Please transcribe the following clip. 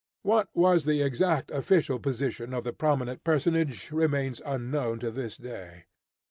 What was the exact official position of the prominent personage, remains unknown to this day.